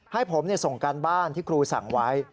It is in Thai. ให้ผมส่งการบ้านที่ครูสั่งไว้